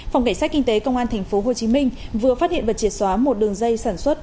phòng cảnh sát kinh tế công an tp hcm vừa phát hiện và triệt xóa một đường dây sản xuất